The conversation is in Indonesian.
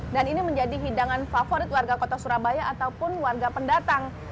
ini menjadi hidangan favorit warga kota surabaya ataupun warga pendatang